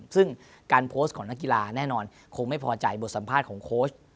ซึ่งการโพสต์ของนักกีฬาแน่นอนคงไม่พอใจบทสัมภาษณ์ของโค้ช